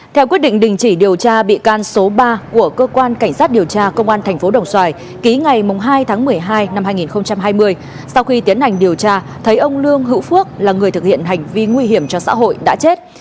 theo quyết định đình chỉ điều tra bị can số ba của cơ quan cảnh sát điều tra công an tp đồng xoài ký ngày hai tháng một mươi hai năm hai nghìn hai mươi sau khi tiến hành điều tra thấy ông lương hữu phước là người thực hiện hành vi nguy hiểm cho xã hội đã chết